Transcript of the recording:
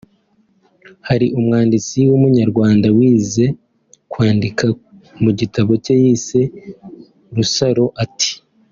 Hari umwanditsi w’Umunyarwanda wigeze kwandika mu gitabo cye yise Rusaro ati